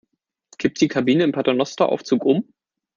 Kippt die Kabine im Paternosteraufzug um?